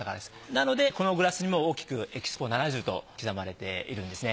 なのでこのグラスにも大きくＥＸＰＯ’７０と刻まれているんですね。